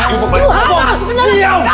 tuhan aku benar benar ingin kabur